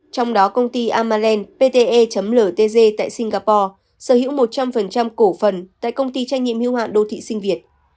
trong đó công ty amalland pte ltg tại singapore sở hữu một trăm linh cổ phần tại công ty trách nhiệm hưu hạn đô thị sinh việt